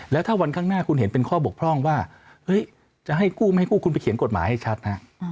แล้วถ้าวันข้างหน้าคุณเห็นเป็นข้อบกพร่องว่าเฮ้ยจะให้กู้ไม่ให้กู้คุณไปเขียนกฎหมายให้ชัดฮะ